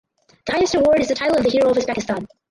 The highest award is the title of the Hero of Uzbekistan.